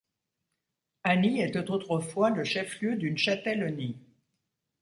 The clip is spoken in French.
Any était autrefois le chef-lieu d'une châtellenie.